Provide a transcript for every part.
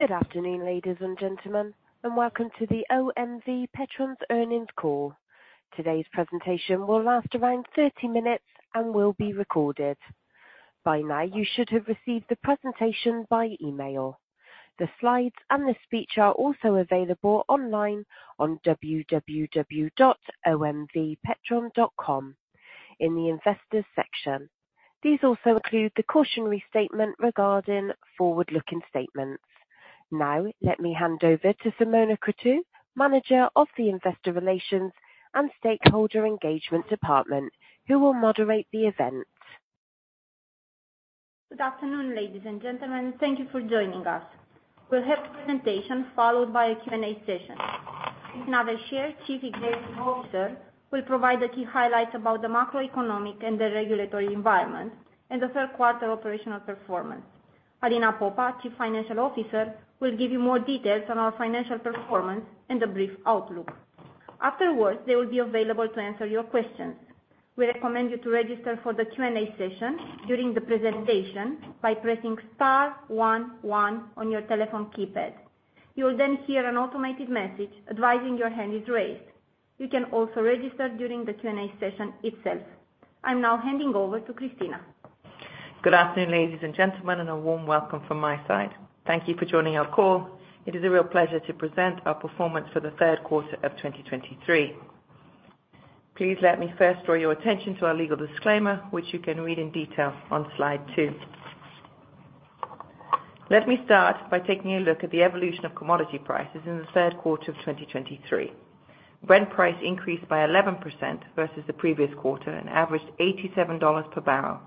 Good afternoon, ladies and gentlemen, and welcome to OMV Petrom’s Earnings Call. Today's presentation will last around 30 minutes and will be recorded. By now, you should have received the presentation by email. The slides and the speech are also available online on www.omvpetrom.com in the Investors section. These also include the cautionary statement regarding forward-looking statements. Now, let me hand over to Simona Crutu, Manager of the Investor Relations and Stakeholder Engagement Department, who will moderate the event. Good afternoon, ladies and gentlemen. Thank you for joining us. We'll have a presentation followed by a Q&A session. Christina Verchere, Chief Executive Officer, will provide the key highlights about the macroeconomic and the regulatory environment and the Q3 operational performance. Alina Popa, Chief Financial Officer, will give you more details on our financial performance and the brief outlook. Afterwards, they will be available to answer your questions. We recommend that you register for the Q&A session during the presentation by pressing star one one on your telephone keypad. You will then hear an automated message advising your hand is raised. You can also register during the Q&A session itself. I'm now handing over to Christina. Good afternoon, ladies and gentlemen, and a warm welcome from my side. Thank you for joining our call. It is a real pleasure to present our performance for the Q3 of 2023. Please let me first draw your attention to our legal disclaimer, which you can read in detail on slide 2. Let me start by taking a look at the evolution of commodity prices in the Q3 of 2023. Brent price increased by 11% versus the previous quarter and averaged $87 per barrel.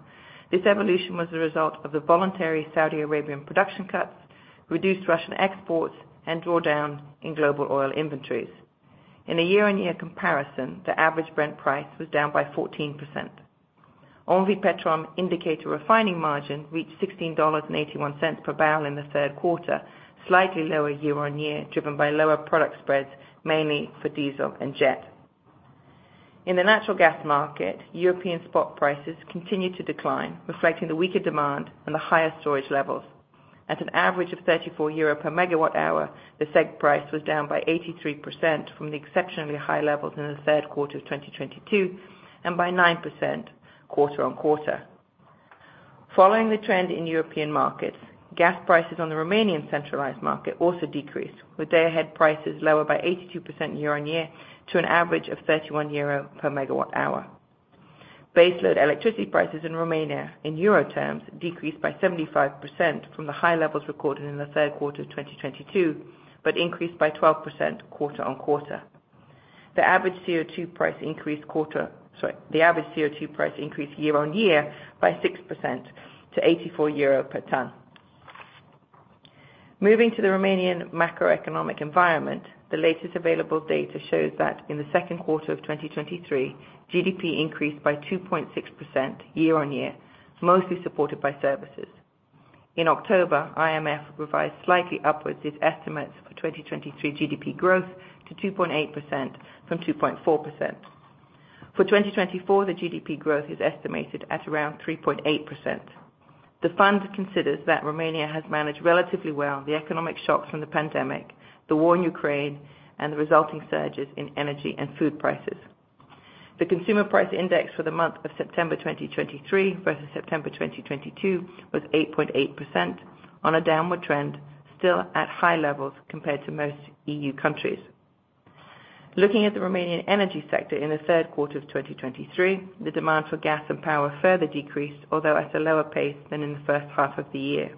This evolution was a result of the voluntary Saudi Arabian production cuts, reduced Russian exports and drawdown in global oil inventories. In a year-on-year comparison, the average Brent price was down by 14%. OMV Petrom indicator refining margin reached $16.81 per barrel in the Q3, slightly lower year-on-year, driven by lower product spreads, mainly for diesel and jet. In the natural gas market, European spot prices continued to decline, reflecting the weaker demand and the higher storage levels. At an average of 34 euro per MWh, the CEGH price was down by 83% from the exceptionally high levels in the Q3 of 2022, and by 9% quarter-on-quarter. Following the trend in European markets, gas prices on the Romanian centralized market also decreased, with day-ahead prices lower by 82% year-on-year to an average of 31 euro per MWh. Baseload electricity prices in Romania, in euro terms, decreased by 75% from the high levels recorded in the Q3 of 2022, but increased by 12% quarter-on-quarter. The average CO₂ price increased year-on-year by 6% to 84 euro per tonne. Moving to the Romanian macroeconomic environment, the latest available data shows that in the second quarter of 2023, GDP increased by 2.6% year-on-year, mostly supported by services. In October, IMF revised slightly upwards its estimates for 2023 GDP growth to 2.8% from 2.4%. For 2024, the GDP growth is estimated at around 3.8%. The fund considers that Romania has managed relatively well the economic shocks from the pandemic, the war in Ukraine, and the resulting surges in energy and food prices. The Consumer Price Index for the month of September 2023 versus September 2022 was 8.8% on a downward trend, still at high levels compared to most EU countries. Looking at the Romanian energy sector in the Q3 of 2023, the demand for gas and power further decreased, although at a lower pace than in the first half of the year.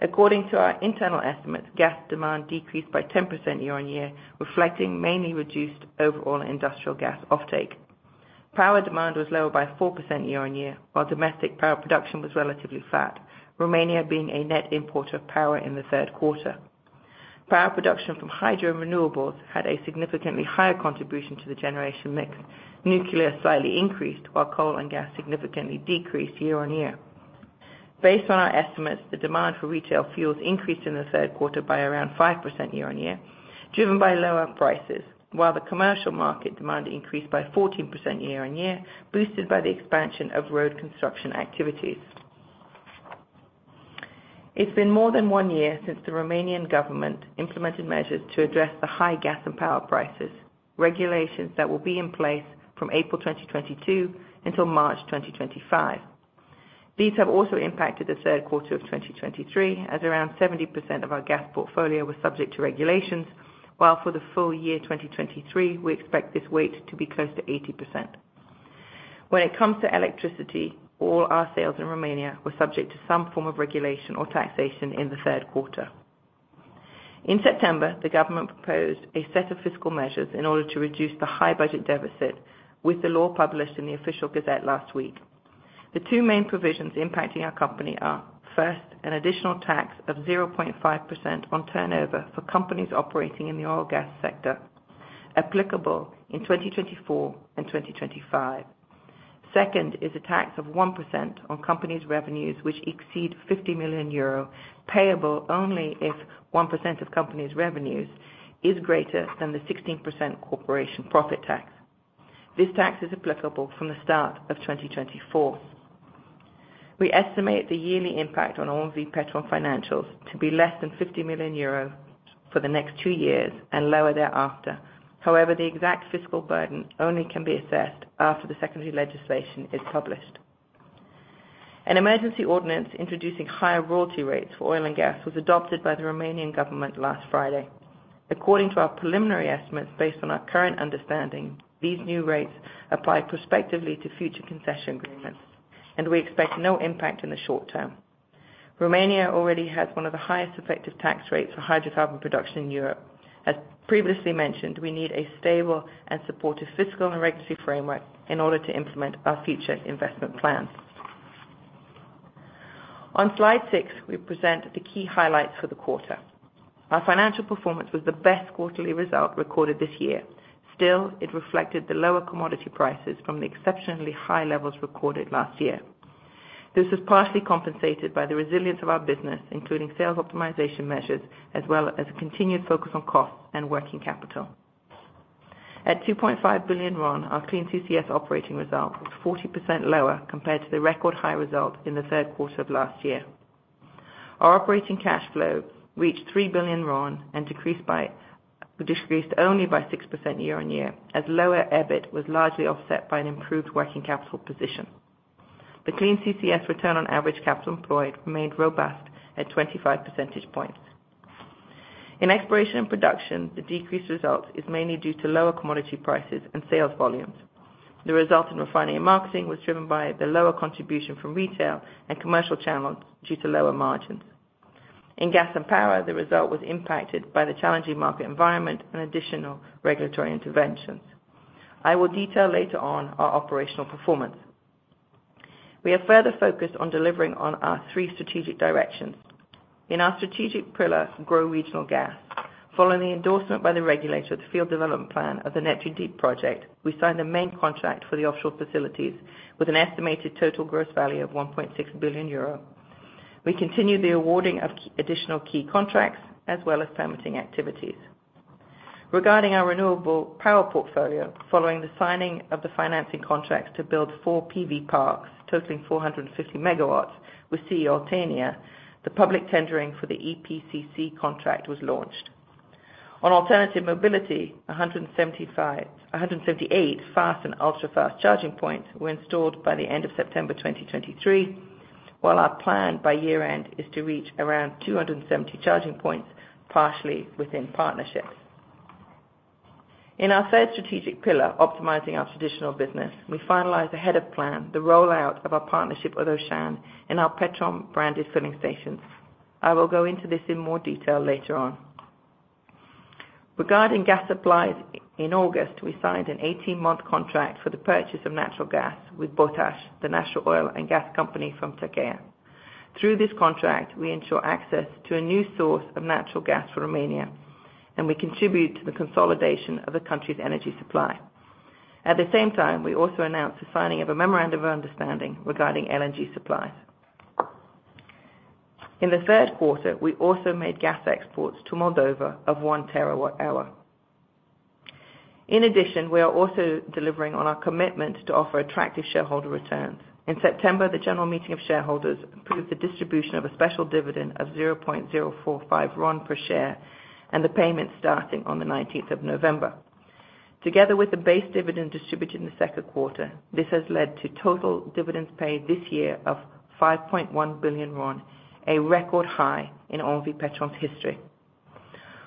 According to our internal estimates, gas demand decreased by 10% year-on-year, reflecting mainly reduced overall industrial gas offtake. Power demand was lower by 4% year-on-year, while domestic power production was relatively flat, Romania being a net importer of power in the Q3. Power production from hydro renewables had a significantly higher contribution to the generation mix. Nuclear slightly increased, while coal and gas significantly decreased year-on-year. Based on our estimates, the demand for retail fuels increased in the Q3 by around 5% year-on-year, driven by lower prices, while the commercial market demand increased by 14% year-on-year, boosted by the expansion of road construction activities. It's been more than 1 year since the Romanian government implemented measures to address the high gas and power prices, regulations that will be in place from April 2022 until March 2025. These have also impacted the Q3 of 2023, as around 70% of our gas portfolio was subject to regulations, while for the full year 2023, we expect this weight to be close to 80%. When it comes to electricity, all our sales in Romania were subject to some form of regulation or taxation in the Q3. In September, the government proposed a set of fiscal measures in order to reduce the high budget deficit with the law published in the Official Gazette last week. The two main provisions impacting our company are, first, an additional tax of 0.5% on turnover for companies operating in the oil gas sector, applicable in 2024 and 2025. Second is a tax of 1% on companies' revenues, which exceed 50 million euro, payable only if 1% of companies' revenues is greater than the 16% corporation profit tax. This tax is applicable from the start of 2024. We estimate the yearly impact on OMV Petrom financials to be less than 50 million euros for the next two years and lower thereafter. However, the exact fiscal burden only can be assessed after the secondary legislation is published. An emergency ordinance introducing higher royalty rates for oil and gas was adopted by the Romanian government last Friday. According to our preliminary estimates, based on our current understanding, these new rates apply prospectively to future concession agreements, and we expect no impact in the short term. Romania already has one of the highest effective tax rates for hydrocarbon production in Europe. As previously mentioned, we need a stable and supportive fiscal and legacy framework in order to implement our future investment plans. On slide six, we present the key highlights for the quarter. Our financial performance was the best quarterly result recorded this year. Still, it reflected the lower commodity prices from the exceptionally high levels recorded last year. This was partially compensated by the resilience of our business, including sales optimization measures, as well as a continued focus on cost and working capital. At RON 2.5 billion, our Clean CCS operating result was 40% lower compared to the record high result in the Q3 of last year. Our operating cash flow reached RON 3 billion and decreased only by 6% year-on-year, as lower EBIT was largely offset by an improved working capital position. The Clean CCS return on average capital employed remained robust at 25 percentage points. In exploration and production, the decreased result is mainly due to lower commodity prices and sales volumes. The result in refining and marketing was driven by the lower contribution from retail and commercial channels due to lower margins. In gas and power, the result was impacted by the challenging market environment and additional regulatory interventions. I will detail later on our operational performance. We are further focused on delivering on our three strategic directions. In our strategic pillar, Grow Regional Gas, following the endorsement by the regulator, the field development plan of the Neptun Deep project, we signed the main contract for the offshore facilities with an estimated total gross value of 1.6 billion euro. We continued the awarding of additional key contracts as well as permitting activities. Regarding our renewable power portfolio, following the signing of the financing contracts to build four PV parks totaling 450 MW with CE Oltenia, the public tendering for the EPCC contract was launched. On alternative mobility, 175-178 fast and ultra-fast charging points were installed by the end of September 2023, while our plan by year-end is to reach around 270 charging points, partially within partnerships. In our third strategic pillar, optimizing our traditional business, we finalized ahead of plan, the rollout of our partnership with Auchan in our Petrom-branded filling stations. I will go into this in more detail later on. Regarding gas supplies, in August, we signed an 18-month contract for the purchase of natural gas with BOTAŞ, the National Oil and Gas Company from Turkey. Through this contract, we ensure access to a new source of natural gas for Romania, and we contribute to the consolidation of the country's energy supply. At the same time, we also announced the signing of a memorandum of understanding regarding LNG supplies. In the Q3, we also made gas exports to Moldova of 1 terawatt hour. In addition, we are also delivering on our commitment to offer attractive shareholder returns. In September, the General Meeting of Shareholders approved the distribution of a special dividend of 0.045 RON per share, and the payment starting on the 19th of November. Together with the base dividend distributed in the second quarter, this has led to total dividends paid this year of 5.1 billion RON, a record high in OMV Petrom's history.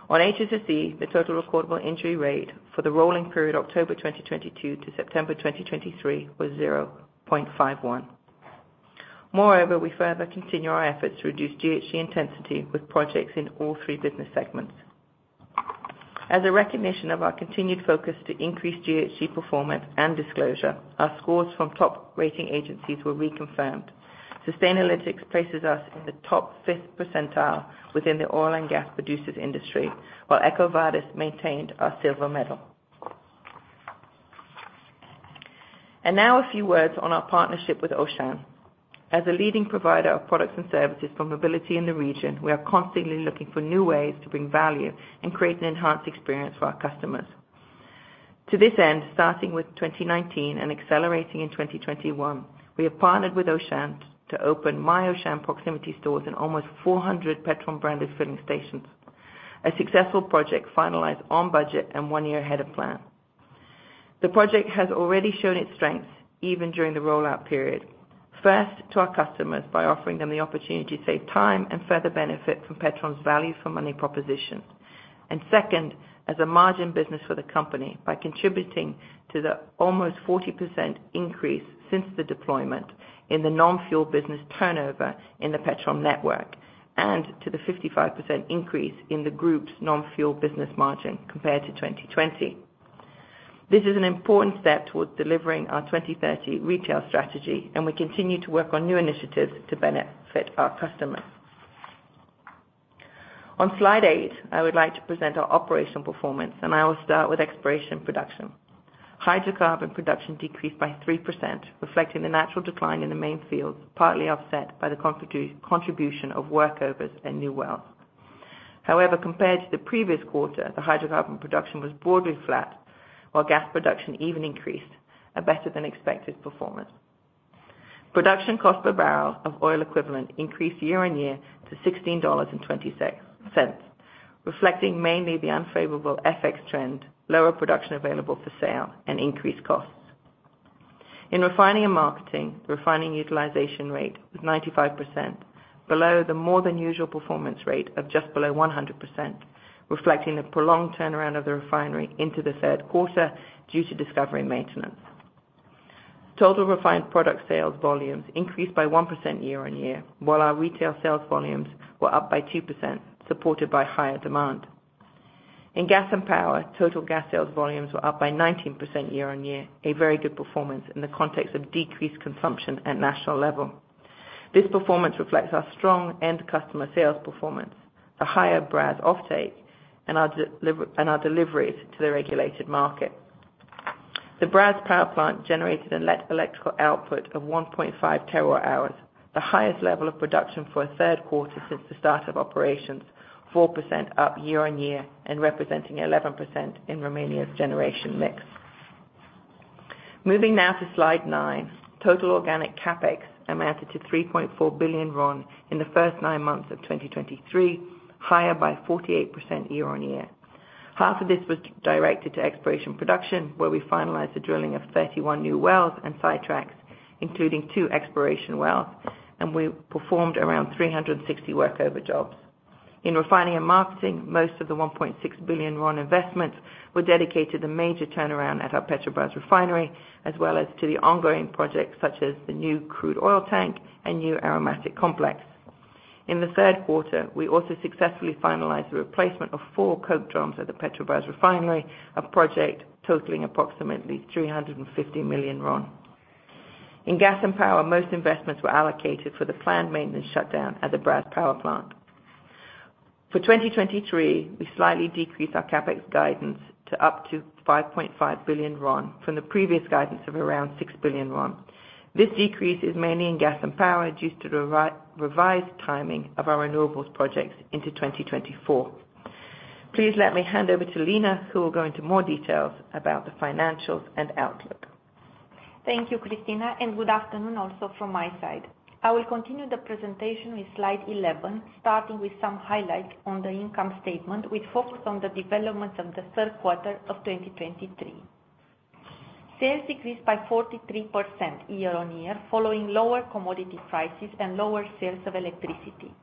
On HSSE, the total recordable injury rate for the rolling period, October 2022 to September 2023, was 0.51. Moreover, we further continue our efforts to reduce GHG intensity with projects in all three business segments. As a recognition of our continued focus to increase GHG performance and disclosure, our scores from top rating agencies were reconfirmed. Sustainalytics places us in the top fifth percentile within the oil and gas producers industry, while EcoVadis maintained our silver medal. Now a few words on our partnership with Auchan. As a leading provider of products and services for mobility in the region, we are constantly looking for new ways to bring value and create an enhanced experience for our customers. To this end, starting with 2019 and accelerating in 2021, we have partnered with Auchan to open My Auchan proximity stores in almost 400 Petrom-branded filling stations, a successful project finalized on budget and one year ahead of plan. The project has already shown its strengths even during the rollout period. First, to our customers by offering them the opportunity to save time and further benefit from Petrom's value for money proposition. And second, as a margin business for the company, by contributing to the almost 40% increase since the deployment in the non-fuel business turnover in the Petrom network, and to the 55% increase in the group's non-fuel business margin compared to 2020. This is an important step towards delivering our 2030 retail strategy, and we continue to work on new initiatives to benefit our customers. On slide 8, I would like to present our operational performance, and I will start with exploration and production. Hydrocarbon production decreased by 3%, reflecting the natural decline in the main fields, partly offset by the contribution of workovers and new wells. However, compared to the previous quarter, the hydrocarbon production was broadly flat, while gas production even increased, a better-than-expected performance. Production cost per barrel of oil equivalent increased year-on-year to $16.20, reflecting mainly the unfavorable FX trend, lower production available for sale, and increased costs. In refining and marketing, refining utilization rate was 95%, below the more than usual performance rate of just below 100%, reflecting the prolonged turnaround of the refinery into the Q3 due to discovery maintenance. Total refined product sales volumes increased by 1% year-on-year, while our retail sales volumes were up by 2%, supported by higher demand. In gas and power, total gas sales volumes were up by 19% year-on-year, a very good performance in the context of decreased consumption at national level. This performance reflects our strong end customer sales performance, the higher Brazi offtake, and our deliveries to the regulated market. The Brazi power plant generated an electrical output of 1.5 terawatt-hours, the highest level of production for a Q3 since the start of operations, 4% up year-on-year and representing 11% in Romania's generation mix. Moving now to Slide 9. Total organic CapEx amounted to RON 3.4 billion in the first nine months of 2023, higher by 48% year-on-year. Half of this was directed to exploration production, where we finalized the drilling of 31 new wells and sidetracks, including 2 exploration wells, and we performed around 360 workover jobs. In refining and marketing, most of the RON 1.6 billion investments were dedicated to a major turnaround at our Petrobrazi refinery, as well as to the ongoing projects such as the new crude oil tank and new aromatic complex. In the Q3, we also successfully finalized the replacement of four coke drums at the Petrobrazi refinery, a project totaling approximately RON 350 million. In gas and power, most investments were allocated for the planned maintenance shutdown at the Brazi power plant. For 2023, we slightly decreased our CapEx guidance to up to RON 5.5 billion from the previous guidance of around RON 6 billion. This decrease is mainly in gas and power, due to the revised timing of our renewables projects into 2024. Please let me hand over to Alina, who will go into more details about the financials and outlook. Thank you, Christina, and good afternoon also from my side. I will continue the presentation with slide 11, starting with some highlights on the income statement, with focus on the developments of the Q3 of 2023. Sales decreased by 43% year-on-year, following lower commodity prices and lower sales of electricity.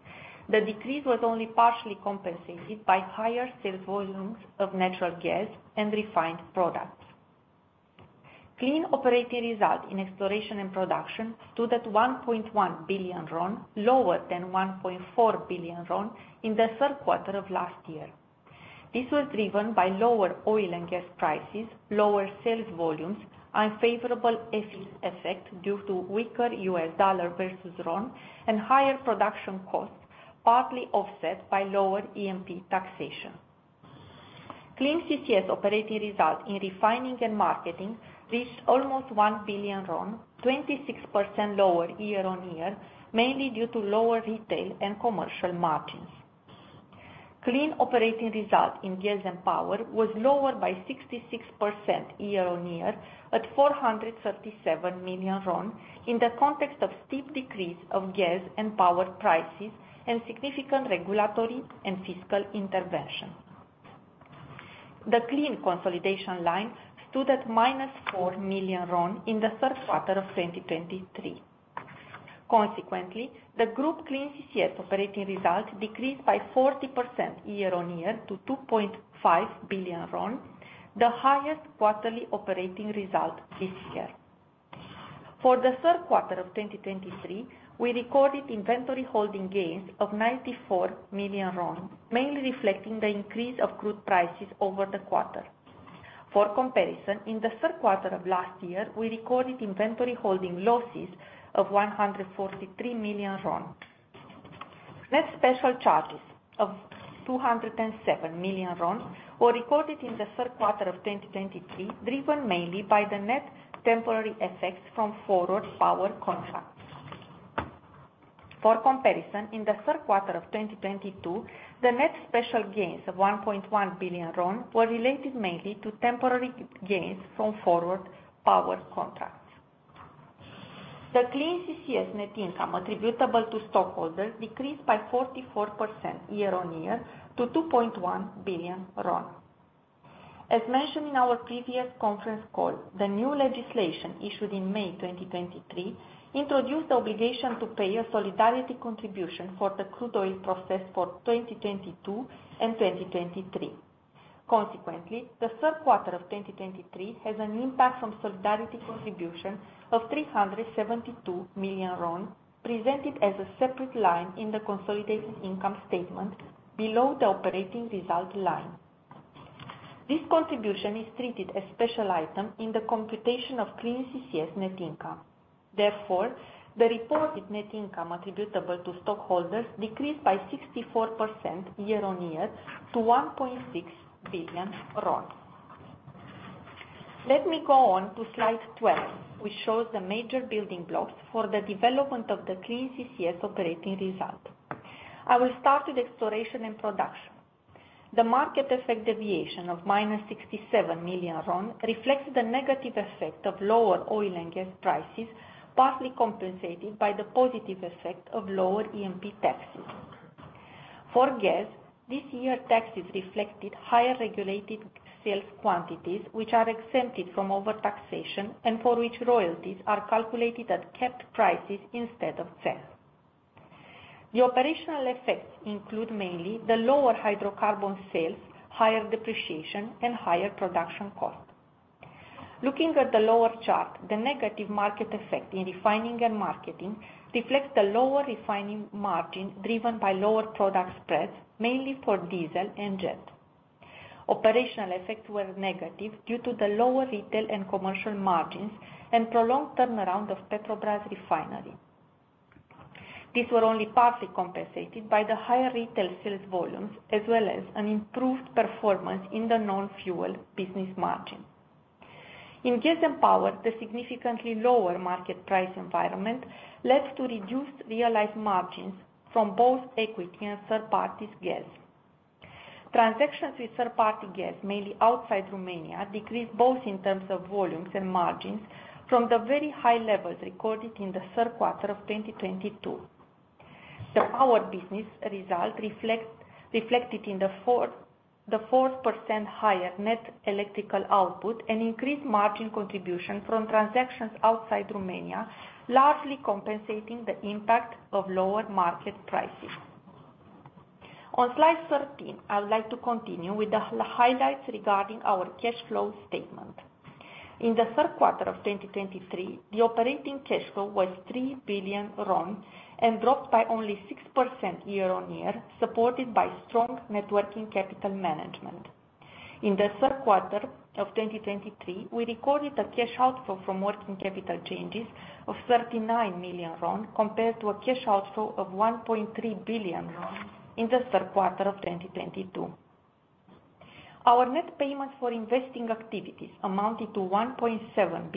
The decrease was only partially compensated by higher sales volumes of natural gas and refined products. Clean operating results in exploration and production stood at RON 1.1 billion, lower than RON 1.4 billion in the Q3 of last year. This was driven by lower oil and gas prices, lower sales volumes, unfavorable FX effect due to weaker US dollar versus RON, and higher production costs, partly offset by lower E&P taxation. Clean CCS operating results in refining and marketing reached almost RON 1 billion, 26% lower year-on-year, mainly due to lower retail and commercial margins. Clean operating result in gas and power was lower by 66% year-on-year, at RON 437 million, in the context of steep decrease of gas and power prices and significant regulatory and fiscal intervention. The clean consolidation line stood at -RON 4 million in the Q3 of 2023. Consequently, the group clean CCS operating results decreased by 40% year-on-year to RON 2.5 billion, the highest quarterly operating result this year. For the Q3 of 2023, we recorded inventory holding gains of RON 94 million, mainly reflecting the increase of crude prices over the quarter. For comparison, in the Q3 of last year, we recorded inventory holding losses of RON 143 million. Net special charges of RON 207 million were recorded in the Q3 of 2023, driven mainly by the net temporary effects from forward power contracts. For comparison, in the Q3 of 2022, the net special gains of RON 1.1 billion were related mainly to temporary gains from forward power contracts. The clean CCS net income attributable to stockholders decreased by 44% year-on-year to RON 2.1 billion. As mentioned in our previous conference call, the new legislation, issued in May 2023, introduced the obligation to pay a Solidarity Contribution for the crude oil process for 2022 and 2023. Consequently, the Q3 of 2023 has an impact from solidarity contribution of RON 372 million, presented as a separate line in the consolidated income statement below the operating result line. This contribution is treated as special item in the computation of clean CCS net income. Therefore, the reported net income attributable to stockholders decreased by 64% year-on-year to RON 1.6 billion. Let me go on to slide 12, which shows the major building blocks for the development of the clean CCS operating result. I will start with exploration and production. The market effect deviation of -RON 67 million reflects the negative effect of lower oil and gas prices, partly compensated by the positive effect of lower EMP taxes. For gas, this year, taxes reflected higher regulated sales quantities, which are exempted from overtaxation and for which royalties are calculated at kept prices instead of sales. The operational effects include mainly the lower hydrocarbon sales, higher depreciation, and higher production cost. Looking at the lower chart, the negative market effect in refining and marketing reflects the lower refining margin, driven by lower product spreads, mainly for diesel and jet. Operational effects were negative due to the lower retail and commercial margins and prolonged turnaround of Petrobrazi refinery. These were only partially compensated by the higher retail sales volumes, as well as an improved performance in the non-fuel business margin. In gas and power, the significantly lower market price environment led to reduced realized margins from both equity and third parties gas. Transactions with third-party gas, mainly outside Romania, decreased both in terms of volumes and margins from the very high levels recorded in the Q3 of 2022. The power business result reflected a 4% higher net electrical output and increased margin contribution from transactions outside Romania, largely compensating the impact of lower market prices. On slide 13, I would like to continue with the highlights regarding our cash flow statement. In the Q3 of 2023, the operating cash flow was RON 3 billion, and dropped by only 6% year-on-year, supported by strong net working capital management. In the Q3 of 2023, we recorded a cash outflow from working capital changes of RON 39 million, compared to a cash outflow of RON 1.3 billion in the Q3 of 2022. Our net payments for investing activities amounted to RON 1.7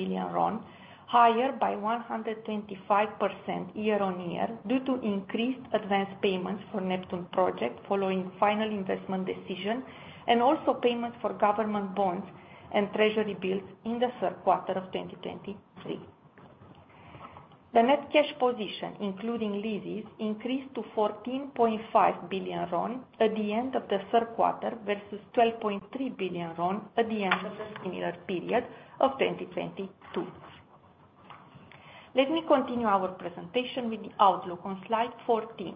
billion, higher by 125% year-on-year, due to increased advanced payments for Neptun project following final investment decision, and also payments for government bonds and treasury bills in the Q3 of 2023. The net cash position, including leases, increased to RON 14.5 billion at the end of the Q3, versus RON 12.3 billion at the end of the similar period of 2022. Let me continue our presentation with the outlook on slide 14.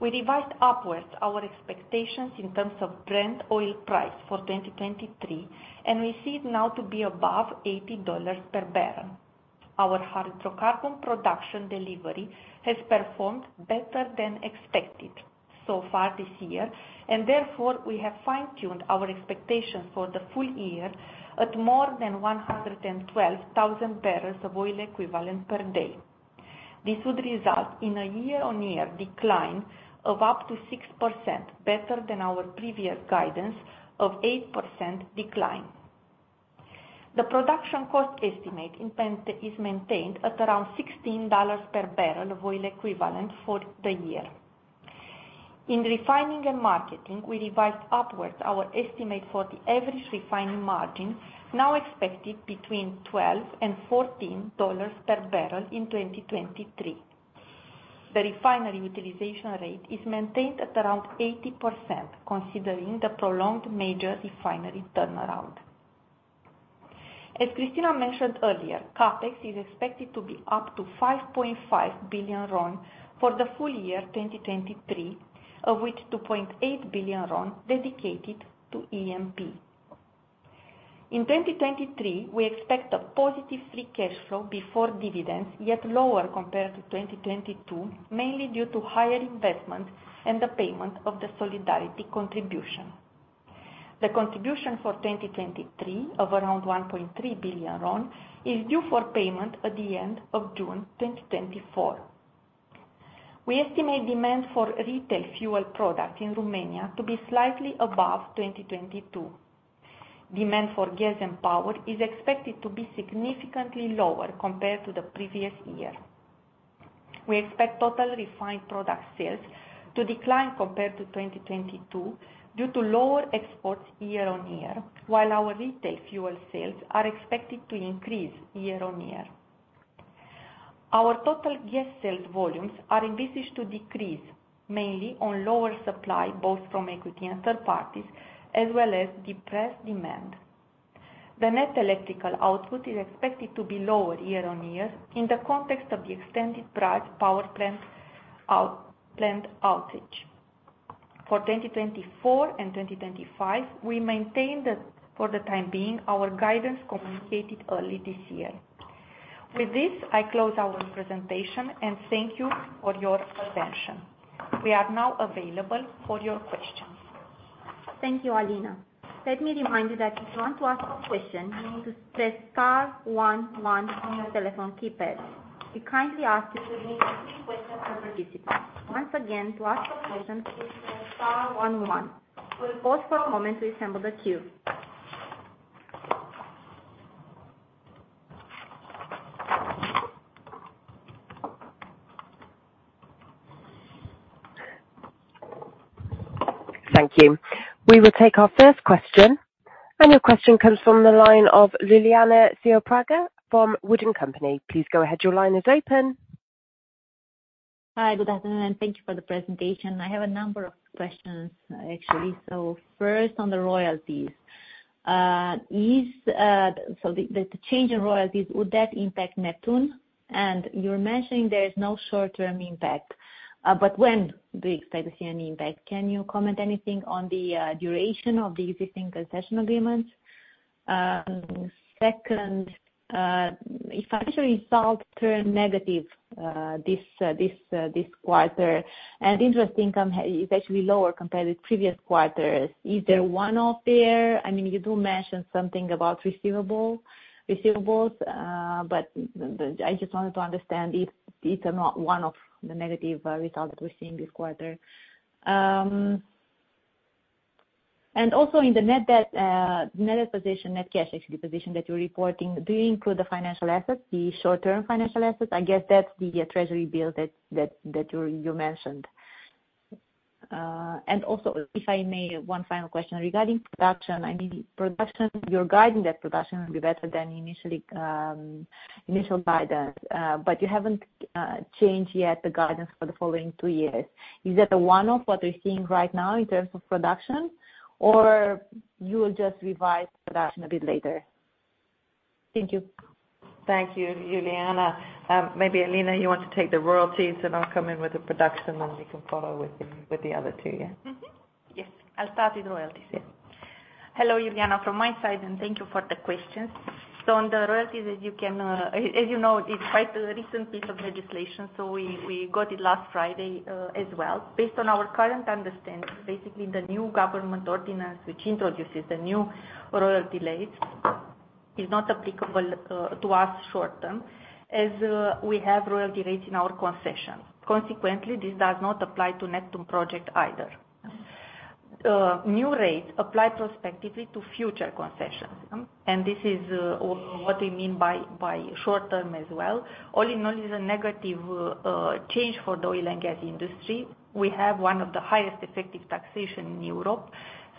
We revised upwards our expectations in terms of Brent oil price for 2023, and we see it now to be above $80 per barrel. Our hydrocarbon production delivery has performed better than expected so far this year, and therefore, we have fine-tuned our expectations for the full year at more than 112,000 barrels of oil equivalent per day. This would result in a year-on-year decline of up to 6%, better than our previous guidance of 8% decline. The production cost estimate intent is maintained at around $16 per barrel of oil equivalent for the year. In refining and marketing, we revised upwards our estimate for the average refining margin, now expected between $12 and $14 per barrel in 2023. The refinery utilization rate is maintained at around 80%, considering the prolonged major refinery turnaround. As Christina mentioned earlier, CapEx is expected to be up to RON 5.5 billion for the full year 2023, of which RON 2.8 billion dedicated to EMP. In 2023, we expect a positive free cash flow before dividends, yet lower compared to 2022, mainly due to higher investment and the payment of the solidarity contribution. The contribution for 2023, of around RON 1.3 billion, is due for payment at the end of June 2024. We estimate demand for retail fuel products in Romania to be slightly above 2022. Demand for gas and power is expected to be significantly lower compared to the previous year. We expect total refined product sales to decline compared to 2022 due to lower exports year-on-year, while our retail fuel sales are expected to increase year-on-year. Our total gas sales volumes are envisaged to decrease, mainly on lower supply, both from equity and third parties, as well as depressed demand. The net electrical output is expected to be lower year-on-year in the context of the extended Brazi power plant outage. For 2024 and 2025, we maintain the, for the time being, our guidance communicated early this year. With this, I close our presentation, and thank you for your attention. We are now available for your questions. Thank you, Alina. Let me remind you that if you want to ask a question, you need to press star one one on your telephone keypad. We kindly ask you to limit to three questions per participant. Once again, to ask a question, please press star one one. We'll pause for a moment to assemble the queue. Thank you. We will take our first question, and your question comes from the line of Iuliana Ciopragafrom Wood & Company. Please go ahead. Your line is open. Hi, good afternoon, and thank you for the presentation. I have a number of questions, actually. So first on the royalties, is so the change in royalties, would that impact Neptun? And you're mentioning there is no short-term impact, but when do you expect to see any impact? Can you comment anything on the duration of the existing concession agreements? Second, if financial results turn negative, this quarter, and interest income is actually lower compared with previous quarters, is there one out there? I mean, you do mention something about receivables, but I just wanted to understand if it's not one of the negative results we're seeing this quarter. And also in the net debt, net position, net cash actually position that you're reporting, do you include the financial assets, the short-term financial assets? I guess that's the treasury bill that you mentioned. And also, if I may, one final question regarding production. I mean, production, you're guiding that production will be better than initially, initial guidance, but you haven't changed yet the guidance for the following two years. Is that a one-off what we're seeing right now in terms of production, or you will just revise production a bit later? Thank you. Thank you, Iuliana. Maybe, Alina, you want to take the royalties, and I'll come in with the production, and we can follow with the other two, yeah? Mm-hmm. Yes, I'll start with royalties. Yeah. Hello, Iuliana, from my side, and thank you for the questions. So on the royalties, as you can, as you know, it's quite a recent piece of legislation, so we got it last Friday, as well. Based on our current understanding, basically, the new government ordinance, which introduces the new royalty rates, is not applicable to us in the short term, as we have royalty rates in our concession. Consequently, this does not apply to Neptun project either. New rates apply prospectively to future concessions, and this is what we mean by short term as well. All in all, it's a negative change for the oil and gas industry. We have one of the highest effective tax rates in Europe,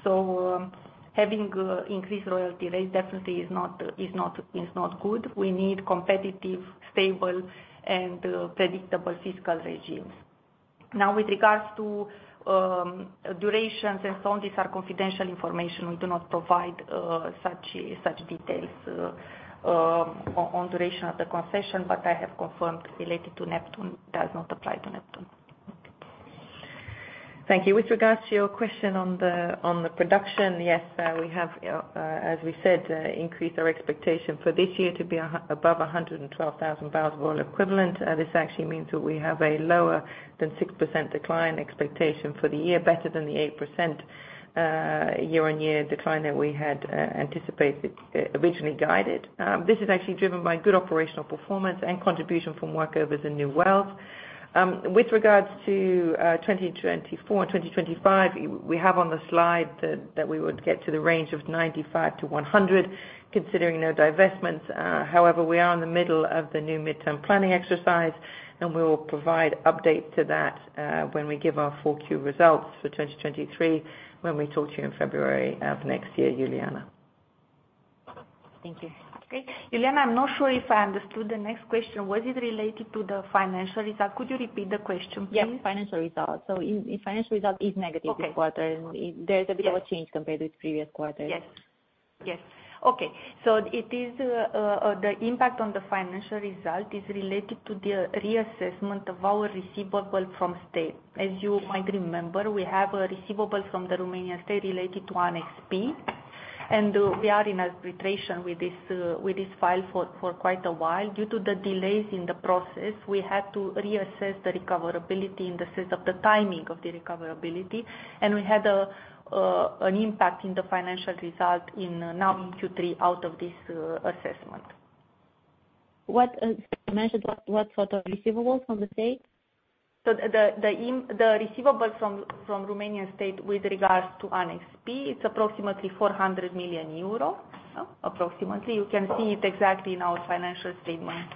so having increased royalty rates definitely is not good. We need competitive, stable, and predictable fiscal regimes. Now, with regards to durations and so on, these are confidential information. We do not provide such details on duration of the concession, but I have confirmed related to Neptun, does not apply to Neptun. Thank you. With regards to your question on the production, yes, we have, as we said, increased our expectation for this year to be above 112,000 barrels of oil equivalent. This actually means that we have a lower than 6% decline expectation for the year, better than the 8%, year-on-year decline that we had, anticipated, originally guided. With regards to 2024 and 2025, we have on the slide that we would get to the range of 95-100, considering no divestments. However, we are in the middle of the new midterm planning exercise, we will provide an update on that, when we give our Q4 results for 2023, when we talk to you in February of next year, Iuliana. Thank you. Okay. Iuliana, I'm not sure if I understood the next question. Was it related to the financial result? Could you repeat the question, please? Yeah, financial results. So in financial result is negative- Okay. This quarter. There's a bit of a change compared with previous quarters. Yes. Yes. Okay. So it is, the impact on the financial result is related to the reassessment of our receivable from the state. As you might remember, we have a receivable from the Romanian state related to an Annex P agreement, and we are in arbitration with this, with this file for, for quite a while. Due to the delays in the process, we had to reassess the recoverability in the sense of the timing of the recoverability, and we had a, an impact in the financial result in, now in Q3 out of from this assessment. What, you mentioned what, what sort of receivables from the state? So the receivable from Romanian state with regards to an Annex P, it's approximately 400 million euro, approximately. You can see it exactly in our financial statement,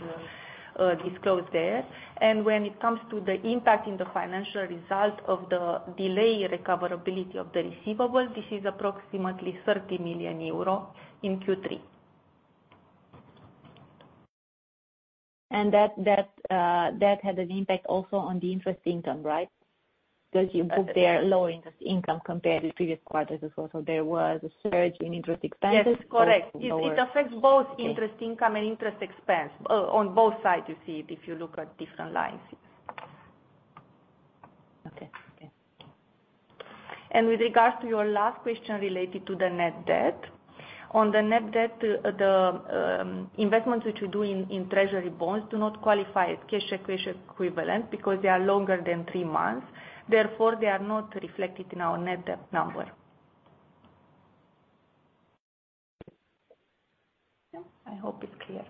disclosed there. And when it comes to the impact in the financial result of the delay recoverability of the receivable, this is approximately 30 million euro in Q3. That had an impact also on the interest income, right? Because you booked lower interest income compared to the previous quarters as well. There was a surge in interest expenses- Yes, correct. Lower- It, it affects both interest income and interest expense. On both sides, you see it if you look at different lines. Okay. Okay. With regards to your last question related to the net debt, on the net debt, the investments which we do in treasury bonds do not qualify as cash equivalent because they are longer than three months. Therefore, they are not reflected in our net debt number. I hope it's clear.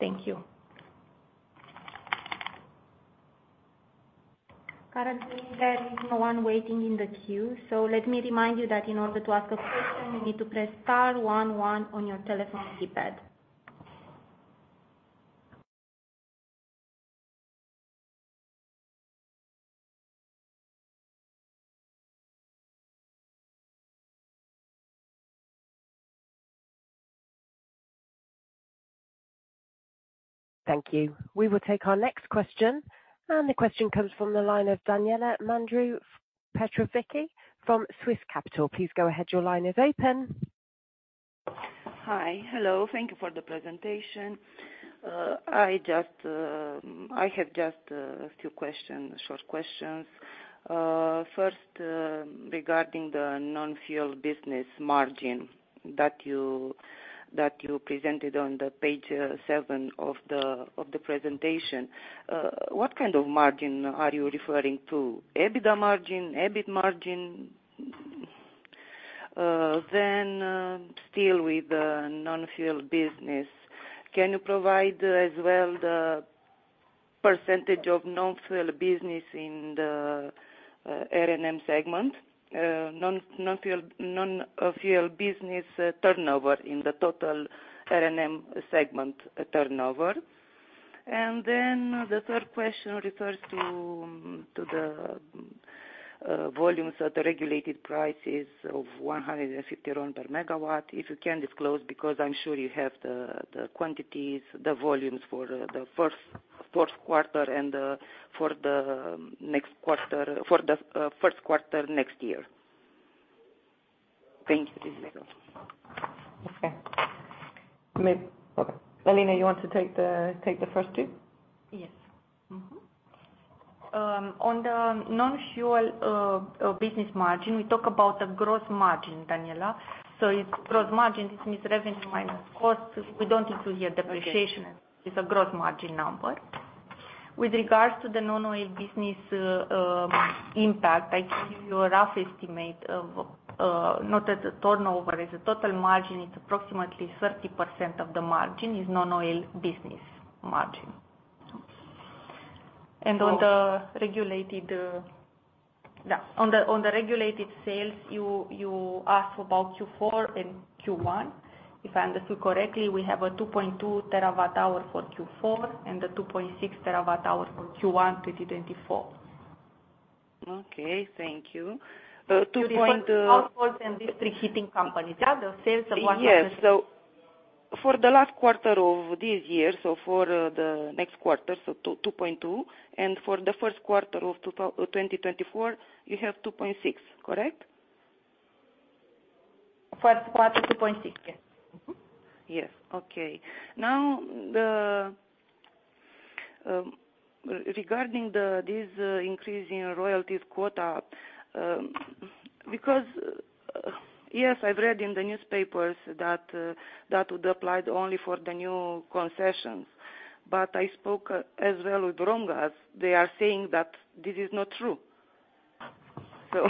Thank you. Currently, there is no one waiting in the queue, so let me remind you that in order to ask a question, you need to press star one one on your telephone keypad. Thank you. We will take our next question, and the question comes from the line of Daniela Mandru Petrovici from Swiss Capital. Please go ahead. Your line is open. Hi. Hello. Thank you for the presentation. I just, I have just a few questions, short questions. First, regarding the non-fuel business margin that you, that you presented on the page 7 of the presentation. What kind of margin are you referring to? EBITDA margin, EBIT margin? Then, still with the non-fuel business, can you provide as well the percentage of non-fuel business in the R&M segment? Non-fuel business turnover in the total R&M segment turnover. And then the third question refers to the volumes at the regulated prices of 150 RON per megawatt. If you can disclose, because I'm sure you have the quantities, the volumes for the first, Q4 and for the next quarter. For the Q1 next year. Thank you very much. Okay. Okay. Alina, you want to take the, take the first two? Yes. Mm-hmm. On the non-fuel business margin, we talk about the gross margin, Daniela. So it's gross margin, this means revenue minus costs. We don't include here depreciation. Okay. It's a gross margin number. With regards to the non-fuel business impact, I give you a rough estimate of, not at the turnover, as the total margin, it's approximately 30% of the margin is non-oil business margin. Okay. And on the- Oh regulated, yeah. On the regulated sales, you asked about Q4 and Q1. If I understood correctly, we have 2.2 terawatt hours for Q4 and 2.6 terawatt hours for Q1, 2024. Okay, thank you. 2 point- And these three heating companies. They are the sales of one of the- Yes. So for the last quarter of this year, for the next quarter, 2.2, and for the Q1 of 2024, you have 2.6, correct? Q1, 2.6, yes. Mm-hmm. Yes. Okay. Now, regarding this increase in royalties quota, because, yes, I've read in the newspapers that that would apply only for the new concessions. But I spoke as well with Romgaz. They are saying that this is not true. So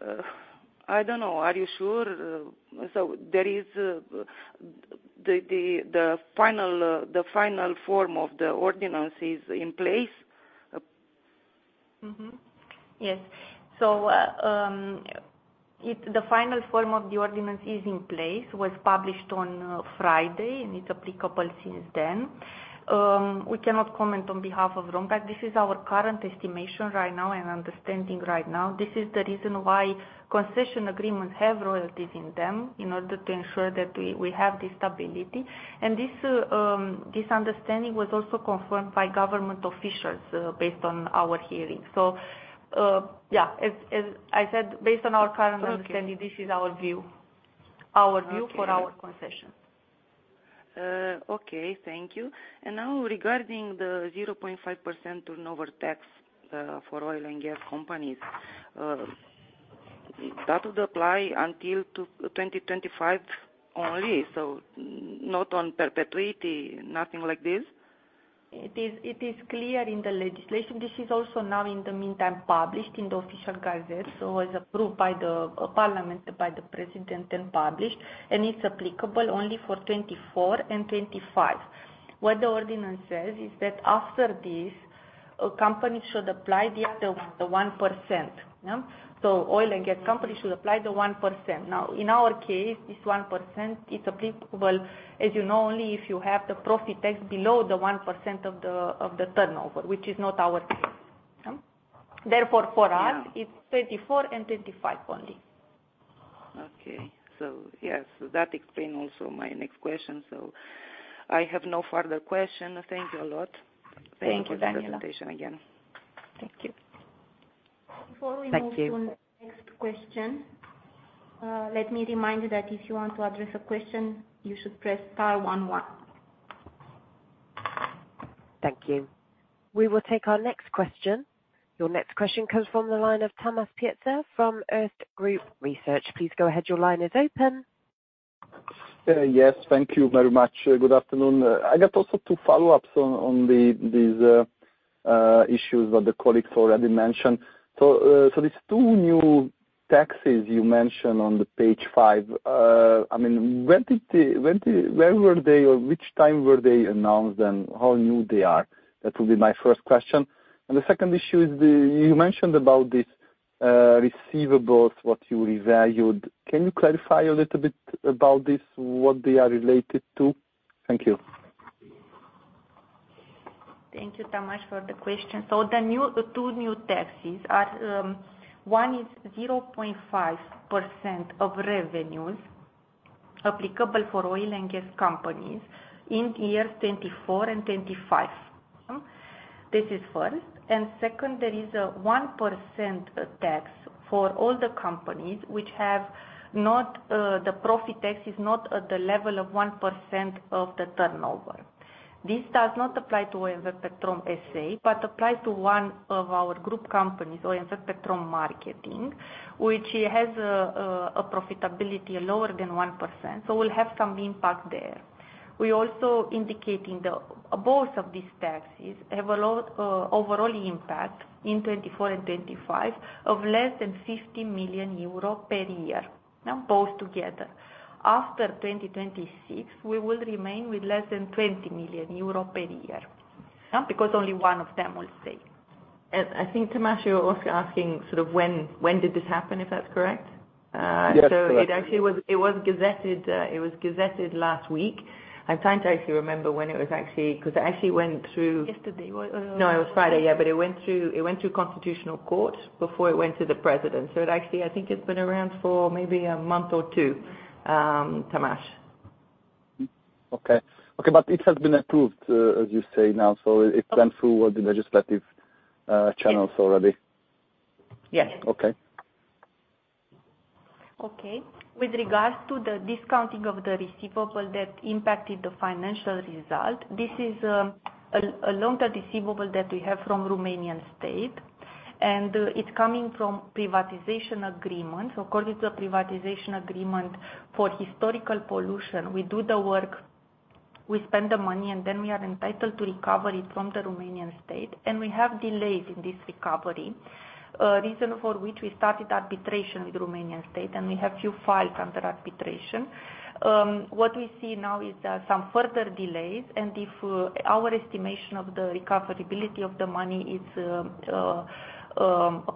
I don't know. Are you sure? So there is the final form of the ordinance in place? Mm-hmm, yes. So, the final form of the ordinance is in place, was published on Friday, and it's applicable since then. We cannot comment on behalf of Romgaz. This is our current estimation right now and understanding right now. This is the reason why concession agreements have royalties in them, in order to ensure that we, we have this stability. And this, this understanding was also confirmed by government officials, based on our hearings. So, yeah, as I said, based on our current understanding- Okay this is our view. Okay for our concession. Okay, thank you. And now, regarding the 0.5% turnover tax for oil and gas companies, that would apply until 2025 only, so not in perpetuity, nothing like this? It is, it is clear in the legislation. This is also now, in the meantime, published in the Official Gazette, so was approved by the parliament, by the president, and published, and it's applicable only for 2024 and 2025. What the ordinance says is that after this, a company should apply the other one, the 1%. Yeah? So oil and gas companies should apply the 1%. Now, in our case, this 1% is applicable, as you know, only if you have the profit tax below the 1% of the turnover, which is not our case. Yeah. Therefore, for us- Yeah it's 2024 and 2025 only. Okay. Yes, that explain also my next question. I have no further question. Thank you a lot. Thank you, Daniela. Thank you for the presentation again. Thank you. Before we move- Thank you on to the next question, let me remind you that if you want to address a question, you should press star one one. Thank you. We will take our next question. Your next question comes from the line of Tamas Pletser from Erste Group Research. Please go ahead. Your line is open. Yes, thank you very much. Good afternoon. I got also two follow-ups on these issues that the colleagues already mentioned. So, these two new taxes you mention on the page five, I mean, when did, where were they, or which time were they announced, and how new they are? That will be my first question. And the second issue is you mentioned about this receivables, what you revalued. Can you clarify a little bit about this, what they are related to? Thank you. Thank you, Tamas, for the question. So the new, the two new taxes are, one is 0.5% of revenues applicable for oil and gas companies in year 2024 and 2025. This is first. And second, there is a 1% tax for all the companies which have not, the profit tax is not at the level of 1% of the turnover. This does not apply to OMV Petrom SA, but applies to one of our group companies, OMV Petrom Marketing, which has a profitability lower than 1%, so will have some impact there. We also indicating the, both of these taxes have a low, overall impact in 2024 and 2025 of less than 50 million euro per year, now, both together. After 2026, we will remain with less than 20 million euro per year, yeah, because only one of them will stay. And I think, Tamas, you're also asking sort of when, when did this happen, if that's correct? Yes, correct. So it actually was, it was gazetted, it was gazetted last week. I'm trying to actually remember when it was actually. cause it actually went through- Yesterday was No, it was Friday. Yeah, but it went through, it went through constitutional court before it went to the president. So it actually, I think it's been around for maybe a month or two, Tamas. Okay. but it has been approved, as you say now, so it went through all the legislative, Yes channels already. Yes. Okay. Okay. With regards to the discounting of the receivable that impacted the financial result, this is a long-term receivable that we have from Romanian state, and it's coming from a privatization agreement. So of course, it's a privatization agreement for historical pollution. We do the work, we spend the money, and then we are entitled to recover it from the Romanian state, and we have delays in this recovery. Reason for which we started arbitration with Romanian state, we have a few files under arbitration. What we see now is some further delays, and if our estimation of the recoverability of the money is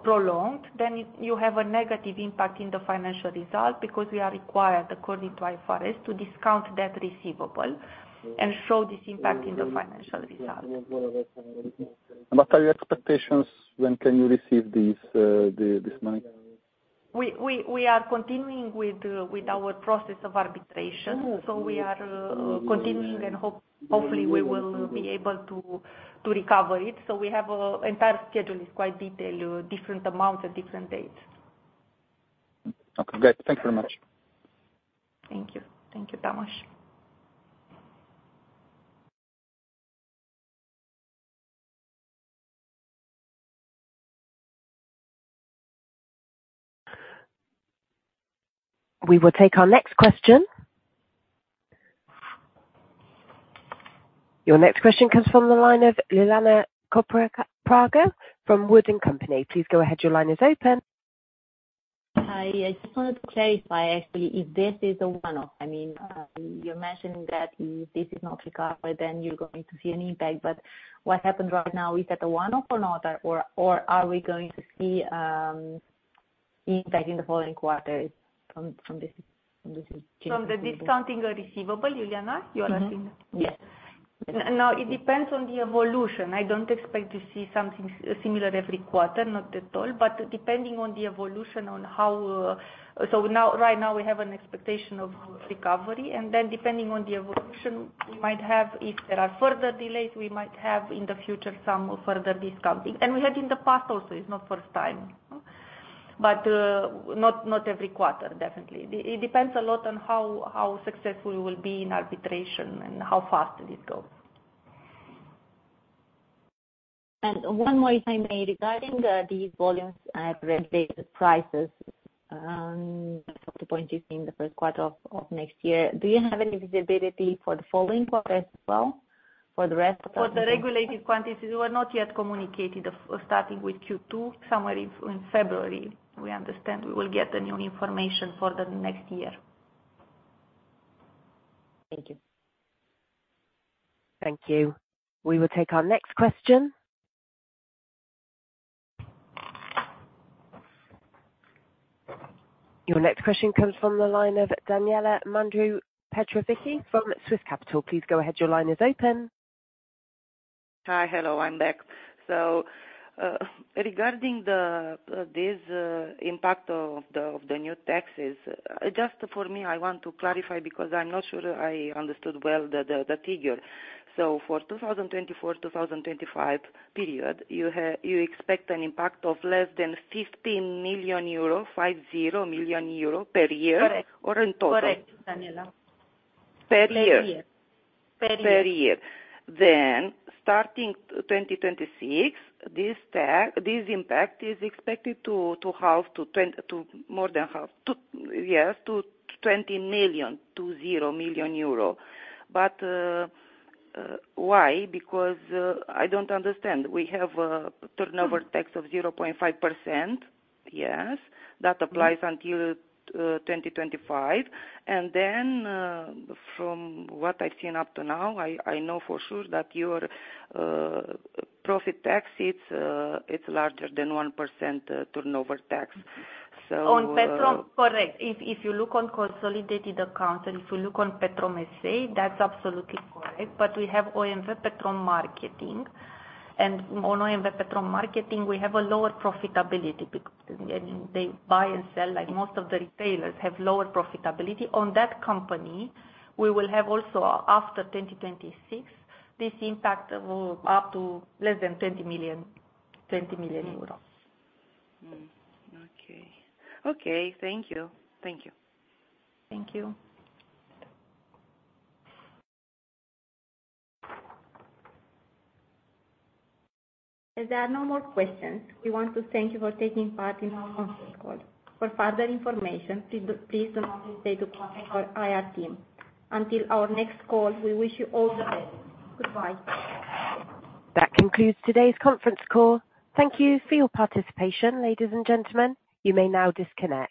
prolonged, then you have a negative impact in the financial result because we are required, according to IFRS, to discount that receivable and show this impact in the financial result. What are your expectations? When can you receive this money? We are continuing with our process of arbitration, so we are continuing and hopefully we will be able to recover it. So we have an entire schedule that is quite detailed, different amounts and different dates. Okay, great. Thank you very much. Thank you. Thank you, Tamas. We will take our next question. Your next question comes from the line of Iuliana Sia Praga from Wood & Company. Please go ahead. Your line is open. Hi, I just wanted to clarify actually if this is a one-off. I mean, you're mentioning that if this is not recovered, then you're going to see an impact. But what happened right now, is that a one-off or not? Or are we going to see impact in the following quarters from this. From the discounting receivable, Iuliana, you are asking? Mm-hmm. Yes. Now, it depends on the evolution. I don't expect to see something similar every quarter, not at all, but depending on the evolution on how. So now, right now, we have an expectation of recovery, and then depending on the evolution, we might have, if there are further delays, we might have, in the future, some further discounting. And we had in the past also, it's not first time ? But, not, not every quarter, definitely. It depends a lot on how, how successful we will be in arbitration and how fast it goes. And one more, if I may. Regarding these volumes at regulated prices, up to point you see in the Q1 of next year, do you have any visibility for the following quarter as well, for the rest of the- For the regulated quantities, we have not yet been informed, starting with Q2. Somewhere in, in February, we understand we will get the new information for the next year. Thank you. Thank you. We will take our next question. Your next question comes from the line of Daniela Mandru Petrovici from Swiss Capital. Please go ahead. Your line is open. Hi. Hello, I'm back. So, regarding this impact of the new taxes, just for me, I want to clarify because I'm not sure I understood well the figure. So for 2024, 2025 period, you have—you expect an impact of less than 50 million euro, 50 million euro per year— Correct. Or in total? Correct, Daniela. Per year? Per year. Per year. Per year. Then starting 2026, this tax, this impact is expected to halve, to more than halve, yes, to 20 million. But why? Because I don't understand. We have a turnover tax of 0.5%, yes, that applies until 2025. And then, from what I've seen up to now, I know for sure that your profit tax, it's larger than 1% turnover tax. So, On Petrom, correct. If you look on consolidated accounts and if you look on Petrom S.A., that's absolutely correct. But we have OMV Petrom Marketing, and on OMV Petrom Marketing, we have a lower profitability and they buy and sell like most of the retailers, have lower profitability. On that company, we will have also, after 2026, this impact up to less than 20 million, 20 million euros. Mm. Okay. Thank you. Thank you. As there are no more questions, we want to thank you for taking part in our conference call. For further information, please do not hesitate to contact our IR team. Until our next call, we wish you all the best. Goodbye. That concludes today's conference call. Thank you for your participation, ladies and gentlemen. You may now disconnect.